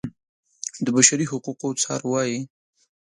د بشري حقونو څار وايي.